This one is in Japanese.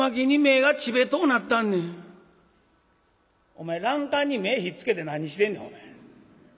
「お前欄干に目ひっつけて何してんねんお前。